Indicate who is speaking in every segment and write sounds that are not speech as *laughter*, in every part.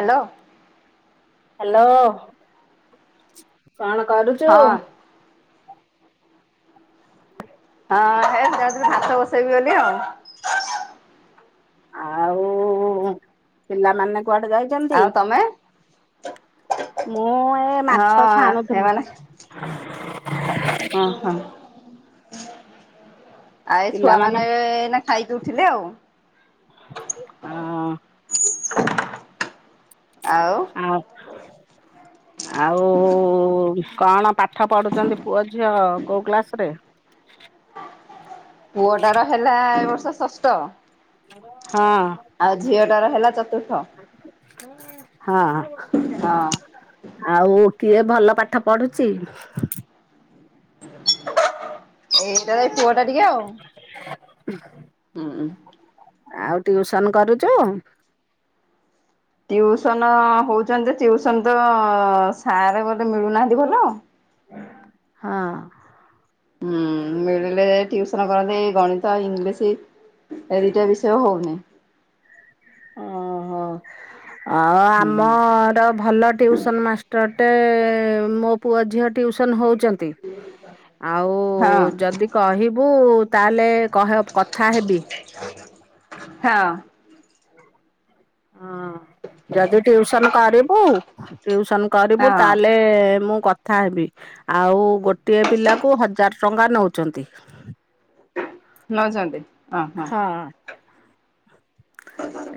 Speaker 1: Hello.
Speaker 2: Hello କଣ କରୁଚୁ?
Speaker 1: ହଁ ହଁ ହେ ଯାଉଥିଲି ଭାତ ବସେଇବି ବୋଲି ଆଉ।
Speaker 2: ଆଉ ପିଲାମାନେ କୁଆଡ଼େ ଯାଇ କେମିତି
Speaker 1: ଆଉ ତମେ
Speaker 2: ମୁଁ ଏ
Speaker 1: ହଁ
Speaker 2: ମାଛ ଛାଣୁଥିଲି। *inaudible*
Speaker 1: ଓହୋ। ଆ ଏଇ
Speaker 2: ପିଲାମାନେ
Speaker 1: ଛୁଆମାନେ ଏନା ଖାଇକି ଉଠଥିଲେ ଆଉ।
Speaker 2: ହଁ।
Speaker 1: ଆଉ
Speaker 2: ଆ
Speaker 1: *inaudible*
Speaker 2: ଆଉ କଣ ପାଠ ପଢୁଚନ୍ତି ପୁଅ ଝିଅ କୋଉ କ୍ଲାସରେ?
Speaker 1: ପୁଅଟାର ହେଲା ଏ ବର୍ଷ ଷଷ୍ଠ।
Speaker 2: ହଁ।
Speaker 1: ଆଉ ଝିଅ ଟାର ହେଲା ଚତୁର୍ଥ।
Speaker 2: ହଁ।
Speaker 1: ହଁ
Speaker 2: ଆଉ କିଏ ଭଲ ପାଠ ପଢୁଚି?
Speaker 1: ଏଇଟା ଏ ପୁଅ ଟା ଟିକେ ଆଉ।
Speaker 2: ଆଉ ଟିଉସନ କରୁଚ?
Speaker 1: ଟିଉସନ ହଉଚନ୍ତି ଟିଉସନ ତ ସାର୍ ବୋଧେ ମିଳୁନାହାନ୍ତି ଭଲ।
Speaker 2: ହଁ।
Speaker 1: ହୁଁ ମିଳିଲେ ଟିଉସନ କରନ୍ତି ଏଇ ଗଣିତ ଇଂଲିଶି। ଏଇ ଦିଟା ବିଷୟ ହଉନି।
Speaker 2: ଓହୋ ଆଉ
Speaker 1: ହୁଁ
Speaker 2: ଆମର ଭଲ ଟିଉସ୍ ଟିଉସନ୍ ମାଷ୍ଟରଟେ ମୋ ପୁଅ ଝିଅ ଟ୍ୟୁସନ୍ ହଉଚନ୍ତି। ଚନ୍ତି ଆଉ
Speaker 1: ହଁ
Speaker 2: ଯଦି କହିବୁ ତାଏଲେ କହେ କଥା ହେବି।
Speaker 1: ହଁ।
Speaker 2: ଅ ଯଦି ଟିଉସନ୍ କରିବୁ ଟିଉସନ୍ କରିବୁ
Speaker 1: ହଁ
Speaker 2: ତାହେଲେ ମୁଁ କଥ୍ କଥା ହେବି ଆଉ ଗୋଟିଏ ପିଲାକୁ ହଜାର୍ ଟଙ୍କା ନଉଚନ୍ତି।
Speaker 1: ନଉଚନ୍ତି? ହଁ ହଁ।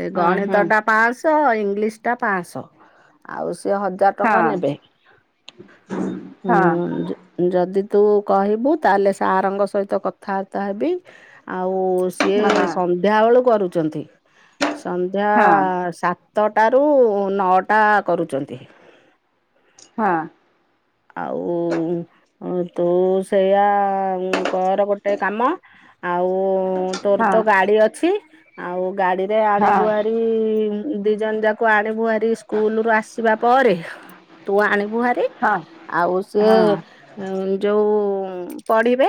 Speaker 2: ଏଇ
Speaker 1: ହୁଁ ହୁଁ
Speaker 2: ଗଣିତ ଟା ପାଁଶହ ଇଂଲିଶ୍ ଟା ପାଁଶହ ଆଉ ସିଏ ହଜାର୍ ଟଙ୍କା
Speaker 1: ହଁ
Speaker 2: ନେବେ ହୁଁ
Speaker 1: ହଁ
Speaker 2: ଯେ ଯଦି ତୁ କହିବୁ ତାଏଲେ ସାର ଙ୍କ ସହିତ କଥାବାର୍ତ୍ତା ହେବି। ଆଉ ସିଏ
Speaker 1: ହଁ ହଁ
Speaker 2: ସନ୍ଧ୍ୟା ବେଳୁ କରୁଚନ୍ତି ସନ୍ଧ୍ୟା
Speaker 1: ହଁ
Speaker 2: ସାତ୍ ସାତଟାରୁ ନଅଟା କରୁଚନ୍ତି।
Speaker 1: ହଁ।
Speaker 2: ଆଉ ତୁ ସେଇଆା କରେ ଗୋଟେ କାମ। ଆଉ ତୋର
Speaker 1: ହଁ
Speaker 2: ତ
Speaker 1: ହଁ ହଁ
Speaker 2: ଗାଡି ଅଛି ଆଉ ଗାଡିରେ
Speaker 1: ହଁ
Speaker 2: ଆଣିବୁ ହେରି ହେରି ଦି ଜଣ ଯାକୁ ଆଣିବୁ ହେରି ସ୍କୁଲ ରୁ ଆସିବା ପରେ। ତୁ ଆଣିବୁ ହେରି।
Speaker 1: ହଁ।
Speaker 2: ଆଉ ସିଏ ଯୋଉ ପଢିବେ।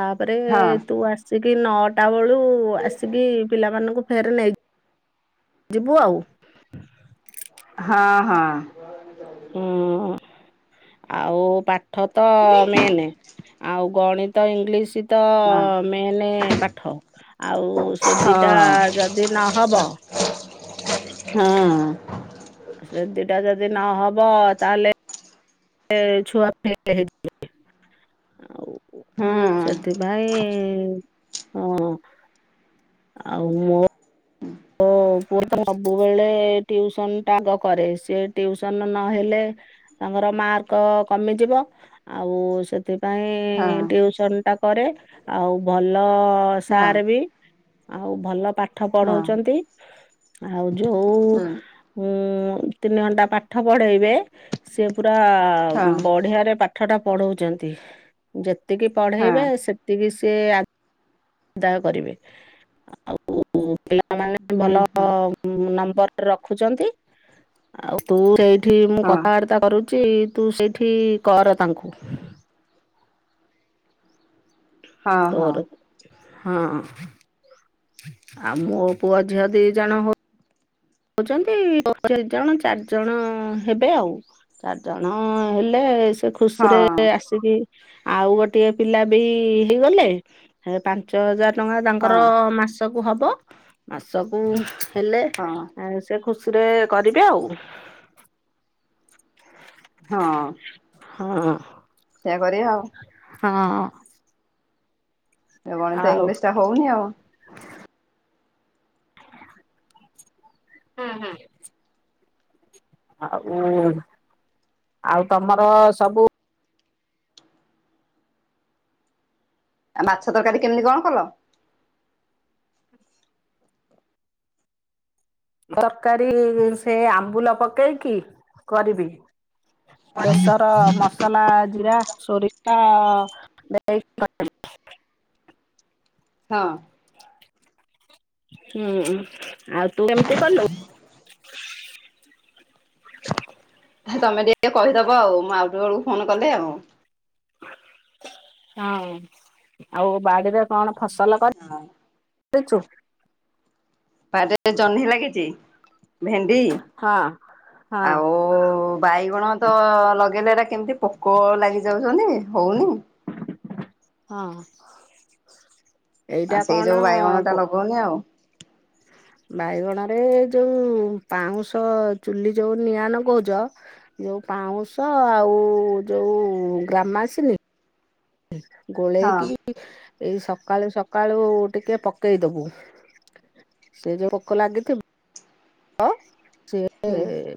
Speaker 2: ତାପରେ
Speaker 1: ହଁ
Speaker 2: ତୁ ଆସିକି ନଅଟା ବେଳୁ ଆସିକି ପିଲାମାନଙ୍କୁ ଫେର୍ ନେଇ ଯିବୁ ଆଉ।
Speaker 1: ହଁ ହଁ।
Speaker 2: ହୁଁ। ଆଉ ତାପ୍ ପାଠ ତ ମେନ୍ ଆଉ ଗଣିତ ଇଂଲିଶ ତ
Speaker 1: ହୁଁ ହଁ ହଁ ହଁ
Speaker 2: ମେନେ ପାଠ ଆଉ ସେ ଦିଟା ଯଦି ନହବ
Speaker 1: ହଁ।
Speaker 2: ସେ ଦିଟା ଯଦି ନହବ ତାହେଲେ ଛୁଆ ଫେର୍ ଫେରି ଯିବେ ଆଉ।
Speaker 1: ହଁ।
Speaker 2: ସେଥିପାଇଁ ଅଁ ଆଉ ମୋ ମୋର ପୁଅ ତ ସବୁବେଳେ ଟିଉସନ୍ ଟା ଆଗ କରେ ସେ ଟିଉସନ୍ ନହେଲେ ତାଙ୍କର ମାର୍କ କମିଯିବ। ଆଉ ସେ ସେଥିପାଇଁ
Speaker 1: ହଁ
Speaker 2: ଟିଉସନଟା କରେ ଆଉ, ଭଲ
Speaker 1: ହଁ
Speaker 2: ସାର୍ ବି। ଆଉ ଭଲ ପାଠ ପଢଉଛନ୍ତି ଆଉ ଯୋଉ ଉଁ ଯଉ ତିନି ଘଣ୍ଟା ପାଠ ପଢେଇବେ ସେ ପୁରା ବଢିଆରେ ପାଠ ଆଠଟା ପଢଉଛନ୍ତି ଯେତିକି ପଢେଇବେ ସେତିକି ସିଏ ଦାୟ କରିବେ ଆଉ ପିଲାମାନେ ଭଲ ନମ୍ବରଟା ରଖୁଛନ୍ତି ଆଉ ତୁ ସେଇଠି ମୁଁ କଥାବାର୍ତା। କରୁଛି ତୁ ସେଇଠି କର ତାଙ୍କୁ ତୋର ହଁ ଆଉ ମୋ ପୁଅ ଝିଅ ଦି ଜଣ ହଉ କହୁଛନ୍ତିି ଦି ଜଣ ଚାରି ଜଣ ହେବେ ଆଉ। ଚାରି ଜଣ ହେଲେ, ସେ ଖୁସିରେ ଆସିକି ଆଉ ଗୋଟିଏ ପିଲା ବି ହେଇଗଲେ। ହେ ପାଞ୍ଚ ହଜାର ଟଙ୍କା ତାଙ୍କର ମାସକୁ ହବ ମାସକୁ ହେଲେ
Speaker 1: ହଁ
Speaker 2: ଆଉ ସେ ଖୁସି ରେ କରିବେ ଆଉ। *inaudible*
Speaker 1: ହଁ
Speaker 2: ହଁ
Speaker 1: ସେଇୟା କରିବା ଆଉ।
Speaker 2: ହଁ
Speaker 1: ଏ ଗଣିତ ଇଂଲିଶଟା ହଉନି ଆଉ।
Speaker 2: ହୁଁ ହୁଁ ଆଉ, ଆଉ ତମର ସବୁ
Speaker 1: ଆଉ ମାଛ ତରକାରୀ କେମିତି କଣ କଲ?
Speaker 2: ତରକାରୀ ସେ ଆମ୍ବୁଲ ପକେଇକି କରିବି। ବେସର ମସଲା ଜିରା ସୋରିଶ ଦେଇକି *unintelligible*
Speaker 1: ହଁ
Speaker 2: ହୁଁ ଆଉ ତୁ ଏମିତି କଲୁ।
Speaker 1: *inaudible* ତମେ ଟିକେ କହିଦବ ଆଉ ମୁଁ ଆଉଟିକେ ବେଳକୁ ଫୋନ କଲେ ଆଉ।
Speaker 2: ହଁ ଆଉ ବାଡିରେ କଣ ଫସଲ କରି
Speaker 1: ହଁ।
Speaker 2: ଛୁ?
Speaker 1: ବାରିରେ ଜହ୍ନି ଲାଗିଛି ଭେଣ୍ଡି
Speaker 2: ହଁ ହଁ।
Speaker 1: ଆଉ ଓ ବାଇଗଣ ତ ଲଗେଇଲେ ତ ହେଗୁରା କେମିତି ପୋକ ଲାଗି ଯାଉଛନ୍ତି, ହଉନି।
Speaker 2: ହଁ, ଏଇଟା କଣ
Speaker 1: କହନି ଆଉ।
Speaker 2: ବାଇଗଣରେ ଯୋଉ ପାଉଁଶ ଚୁଲି ଯୋଉ ନିଆଁ ନଗଉଛ। ଯୋଉ ପାଉଁଶ ଆଉ ଯୋଉ ଗ୍ରାମାସିନୀ।
Speaker 1: ହଁ
Speaker 2: ଗୋଳେଇକି ଏଇ ସକାଳୁ ସକାଳୁ ଟିକେ ପକେଇଦବୁ। ସେ ଯୋଉ ପୋକ ଲାଗିଥିବ
Speaker 1: ହୁଁ
Speaker 2: ସିଏ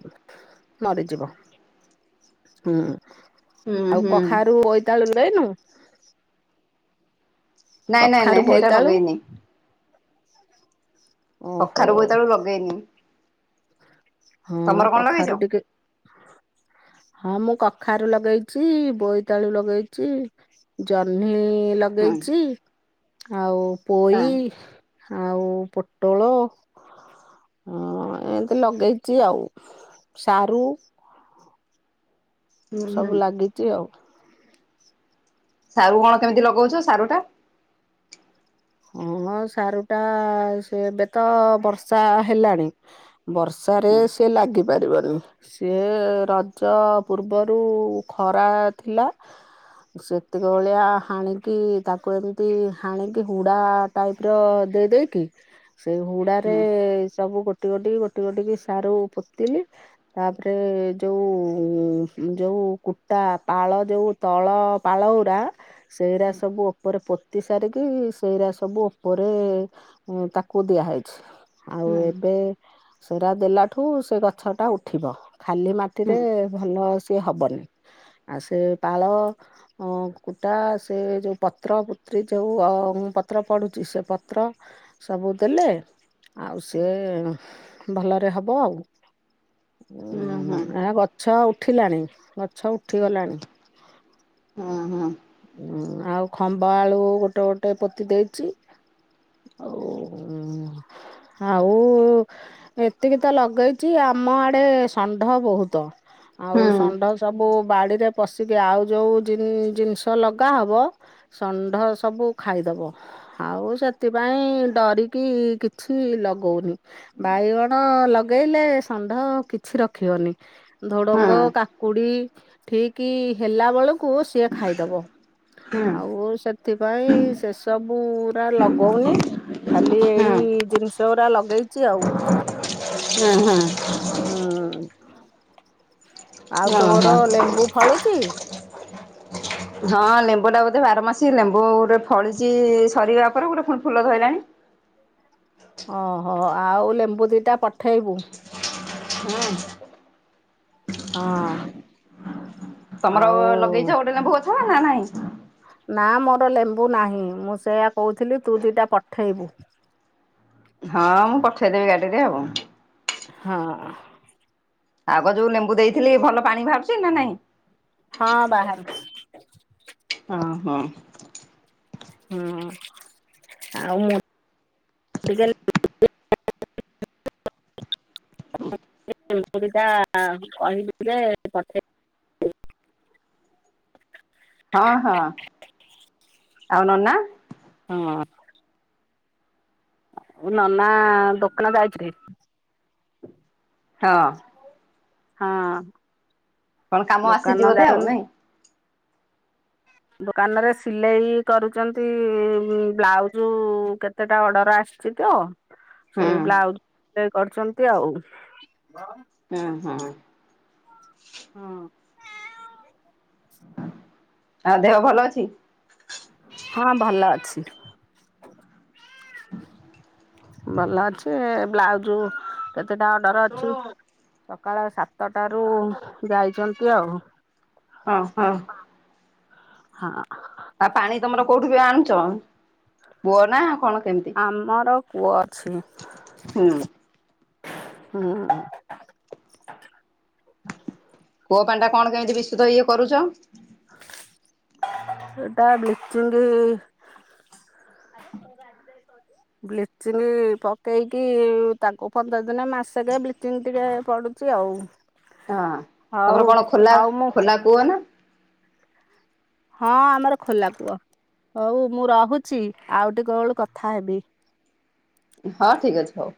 Speaker 2: ମରିଯିବ, ହୁଁ
Speaker 1: ହୁଁ
Speaker 2: ଆଉ
Speaker 1: ହୁଁ।
Speaker 2: କଖାରୁ *unintelligible* ଯାଇନୁ?
Speaker 1: ନାଇଁ ନାଇଁ
Speaker 2: କଖାରୁ
Speaker 1: ନାଇଁ ହେଇଟା
Speaker 2: ବୋଇତାଳୁ
Speaker 1: ଲଗେଇନି।
Speaker 2: ଓହୋ
Speaker 1: କଖାରୁ ବୋଇତ ଆଳୁ ଲଗେଇନି।
Speaker 2: ହଁ
Speaker 1: ତମର କଣ ଲଗେଇଛ?
Speaker 2: କଖାରୁ ଟିକେ
Speaker 1: *inaudible*
Speaker 2: ହଁ ମୁଁ କଖାରୁ ଲଗେଇଛି ବୋଇତାଳୁ ଲଗେଇଛି। ଜହ୍ନି
Speaker 1: ହୁଁ
Speaker 2: ଲଗେଇଛି ଆଉ ପୋଇ।
Speaker 1: ହଁ
Speaker 2: ଆଉ ପୋଟଳ ଏମତି ଲଗ ଲାଗେଇଛିି ଆଉ ସାରୁ।
Speaker 1: ହୁଁ
Speaker 2: ସବୁ
Speaker 1: ହୁଁ
Speaker 2: ଲାଗିଛି ଆଉ।
Speaker 1: ସାରୁ କଣ କେମିତି ଲଗଉଛ ସାରୁ ଟା।
Speaker 2: ହଁ ସାରୁ ଟା ଏବେ ତ ବର୍ଷା ହେଲାଣି। ବର୍ଷାରେ
Speaker 1: ହୁଁ
Speaker 2: ସିଏ ଲାଗିପାରିବନି। ସିଏ ରଜ ପୂର୍ବରୁ ଖରା ଥିଲା। ସେତିକି ଭଳିଆ ହାଣିକି ତାକୁ ଏମିତି ହାଣିକି ହୁଡ଼ା ଟାଇପର ଦେଇ ଦେଇକି ସେ ହୁଡ଼ାରେ
Speaker 1: ହୁଁ
Speaker 2: ସବୁ ଗୋଟେ ଗୋଟି ଗୋଟିକି ଗୋଟି ଗୋଟିକି ସାରୁ ପୋତିଲିି। ତାପରେ ଯୋଉ ଯୋଉ କୁଟା ପାଳ ଯୋଉ ତଳ ପାଳଉରା ସେଇରା
Speaker 1: ହୁଁ
Speaker 2: ସବୁ ଉପରେ ପୋତି ସାରିକି ସେଇରା ସବୁ ଉପରେ ତାକୁ ଦିଆହେଇଛି ଆଉ ଏବେ ସେରାା ଦେଲାଠୁ ସେ ଗଛ ଟା ଉଠିବ ଖାଲି
Speaker 1: ହୁଁ
Speaker 2: ମାଟିରେ ଭଲ ସିଏ ହବନି ଆଉ ସେ ପାଳ ହ କୁଟା ସେ ଯୋଉ ପତ୍ର ପୁତ୍ରୀ ଯୋଉ ଅ ପତ୍ର ପ଼ୁଡୁଛି ସେ ପତ୍ର ସବୁ ଦେଲେ। ଆଉ ସିଏ ଭଲରେ ହବ ଆଉ।
Speaker 1: ହୁଁ ହୁଁ ହୁଁ
Speaker 2: ଉଁ ଏ ଗଛ ଉଠିଲାଣି ଗଛ ଉଠିଗଲାଣି।
Speaker 1: ଉ ହୁ।
Speaker 2: ହୁଁ ଆଉ ଖମ୍ବ ଆଳୁ ଗୋଟେ ଗୋଟେ ପୋତି ଦେଇଛି। ଓ ଆଉ ଏତିକି ତ ଲଗେଇଚି ଆମ ଆଡେ ଷଣ୍ଢ ବହୁତ।
Speaker 1: ହୁଁ ହୁଁ
Speaker 2: ଆଉ ଷଣ୍ଢ ସବୁ ବାଡିରେ ପଶିକି ଆଉ ଯୋଉ ଜିନିଷ ତ ଲଗା ହବ ଷଣ୍ଢ ସବୁ ଖାଇଦବ। ଆଉ ସେଥିପାଇଁ ଡରିକି କିଛି ଲଗଉନି। ବାଇଗଣ ଲଗେଇଲେ ଷଣ୍ଢ କିଛି ରଖିବନି। ଢଡ଼ଙ୍ଗ
Speaker 1: ହୁଁ
Speaker 2: କାକୁଡ଼ି ଠିକ ହେଲା ବେଳକୁ ସିଏ ଖାଇଦବ।
Speaker 1: ହୁଁ
Speaker 2: ଆଉ ସେଥିପାଇଁ ସେସବୁୁରା ଲଗଉନି। ଖାଲି
Speaker 1: ହୁଁ।
Speaker 2: ଏଇ ଜିନିଷ ଗୁଡ଼ା ଲଗେଇଛି ଆଉ।
Speaker 1: ହୁଁ ହୁଁ।
Speaker 2: ହୁଁ ଆଉ
Speaker 1: ଓହୋ
Speaker 2: ତୋର ଲେମ୍ବୁ ଫଳୁଛି।
Speaker 1: ହଁ ଲେମ୍ବୁ ଟା ବୋଧେ ବାରମାସ ଲେମ୍ବୁ ଗୋଟେ ଫଳିଛି ସରିବା ପରେ ଗୋଟେ ପୁଣି ଫୁଲ ଧଇଲାଣି।
Speaker 2: ଓହୋ ଆଉ ଲେମ୍ବୁ ଦିଇଟା ପଠେଇବୁ।
Speaker 1: ହଁ।
Speaker 2: ହଁ।
Speaker 1: ତମର
Speaker 2: ଆଉ
Speaker 1: ଲଗେଇଛ ଗୋଟେ ଲେମ୍ବୁ ଅଛ ନା ନାଇଁ।
Speaker 2: ନା ମୋର ଲେମ୍ବୁ ନାହିଁ ମୁଁ ସେଇୟା କହୁଥିଲି ତୁ ଦିଇଟା ପଠେଇବୁ।
Speaker 1: ହଁ ମୁଁ ପଠେଇଦେବି ଗାଡ଼ିରେ ଆଉ।
Speaker 2: ହଁ।
Speaker 1: ଆଗ ଯୋଉ ଲେମ୍ବୁ ଦେଇଥିଲି ଭଲ ପାଣି ବାହାରୁଛି ନା ନାଇଁ।
Speaker 2: ହଁ ବାହାରୁ
Speaker 1: ଓ ହୋ।
Speaker 2: ହଁ ଆଉ *unintelligible* *inaudible*
Speaker 1: ହଁ ହଁ। ଆଉ ନନା?
Speaker 2: ହଁ। ଆଉ ନନା ଦୋକାନ ଯାଇଥେବେ।
Speaker 1: ହଁ।
Speaker 2: ହଁ
Speaker 1: କଣ କାମ ଆସିଛି ବୋଧେ ଆଉ
Speaker 2: *unintelligible*
Speaker 1: ନାଇଁ?
Speaker 2: ଦୋକାନରେ ସିଲେଇ କରୁଛନ୍ତି ବ୍ଲାଉଜ। କେତେ କେତେଟା ଅର୍ଡର ଆସିଛି ତ।
Speaker 1: ହୁଁ
Speaker 2: ସେଇ ବ୍ଲାଉଜ ସିଲେଇ କରିଛନ୍ତି ଆଉ।
Speaker 1: ହଁ ହଁ।
Speaker 2: ହଁ।
Speaker 1: ଆଉ ତାଙ୍କ ଦେହ ଭଲ ଅଛି?
Speaker 2: ହଁ ଭଲ ଅଛି। ଭଲ ଅଛି ବ୍ଲାଉଜ କେତେଟା ଅର୍ଡର ଅଛି ସକାଳ ସାତଟାରୁ ଯାଇଛନ୍ତି ଆଉ।
Speaker 1: ହଁ ହଁ।
Speaker 2: ହଁ।
Speaker 1: ଆଉ ପାଣି ତମର କୋଉଠୁ କିରେ ଆଣୁଛ? କୁଅ ନା କଣ କେମିତି?
Speaker 2: ଆମର କୂଅ ଅଛି
Speaker 1: ହୁଁ।
Speaker 2: ହୁଁ।
Speaker 1: କୁଅ ପାଣି ଟା କଣ କେମିତି ବିଶୁଦ୍ଧ ଇଏ କରୁଛ?
Speaker 2: ଏଟା ବ୍ଲିଚିଙ୍ଗ ବ୍ଲିଚିଂ ପକେଇକି ତାଙ୍କୁ ପନ୍ଦର ଦିନେ, ମାସେ କେ ବ୍ଲି ଚିଙ୍ଗ ଟିକେ ପଡୁଛି ଆଉ।
Speaker 1: ହଁ
Speaker 2: ହଉ
Speaker 1: ତମର କଣ ଖୋଲା,
Speaker 2: ଆଉ ମୁଁ
Speaker 1: ଖୋଲା କୁ ଅ ନା?
Speaker 2: ହଁ ଆମର ଖୋଲା କୁଅ। ହଉ ମୁଁ ରହୁଛି। ଆଉ ଟିକେ ବେଳୁ କଥା ହେବି।
Speaker 1: ହଁ ଠିକ୍ ଅଛି। ହଉ।